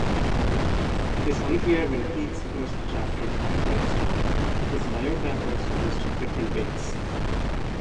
It is unclear when Keats first drafted "Bright Star"; his biographers suggest different dates.